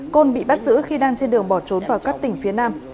côn bị bắt giữ khi đang trên đường bỏ trốn vào các tỉnh phía nam